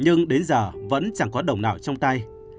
nhưng đến giờ vẫn chẳng có đồng nào trong tay